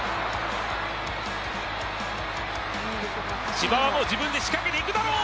千葉はもう自分で仕掛けていくだろう！